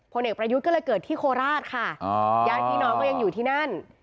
เอกประยุทธ์ก็เลยเกิดที่โคราชค่ะญาติพี่น้องก็ยังอยู่ที่นั่น